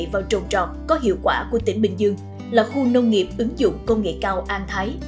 vào trồng trọt có hiệu quả của tỉnh bình dương là khu nông nghiệp ứng dụng công nghệ cao an thái